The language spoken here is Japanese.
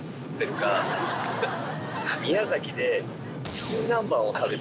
宮崎で。